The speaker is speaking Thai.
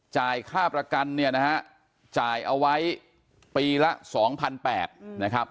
จ่ายค่าประกันเนี่ยนะฮะจ่ายเอาไว้ปีละ๒๘๐๐นะครับ